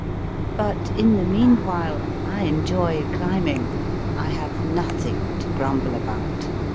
But, in the meanwhile, I enjoy climbing. I have nothing to grumble about.